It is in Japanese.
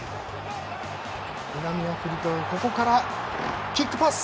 南アフリカがここからキックパス。